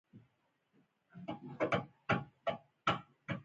دا مې څه اورېدل.